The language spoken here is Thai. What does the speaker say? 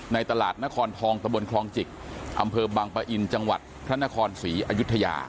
ในตลาดนครทองตะบนคลองจิกอำเภอบังปะอินจังหวัดพระนครศรีอยุธยา